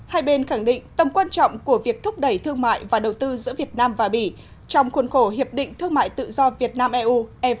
hai bên khẳng định tầm quan trọng của việc thúc đẩy thương mại và đầu tư giữa việt nam và bỉ trong khuôn khổ hiệp định thương mại tự do việt nam eu